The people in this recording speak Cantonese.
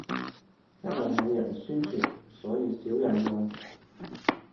因為冇人宣傳，所以少人用